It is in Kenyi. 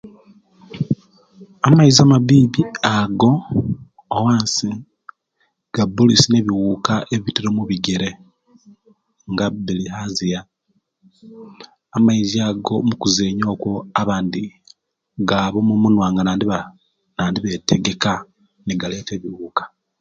Amaizi amabibi ago owansi gabba oluisi nebiwuka ebibitira mubigere nga bilhazia amaizi ago mukuzenya okwo abandi gaba mumunuwa nga nentiba nentibategeka negaleta ebiwuka